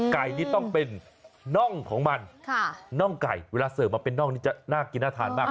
ไก่นี่ต้องเป็นน่องของมันน่องไก่เวลาเสิร์ฟมาเป็นน่องนี่จะน่ากินน่าทานมาก